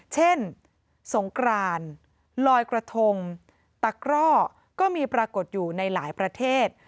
เช่นสงกรานลอยกระทงตะกร่อก็มีปรากฏอยู่ในหลายประเทศ